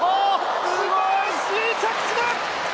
すばらしい着地だ！